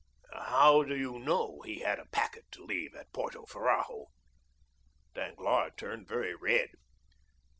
"How do you know he had a packet to leave at Porto Ferrajo?" Danglars turned very red.